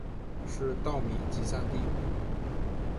是稻米集散地。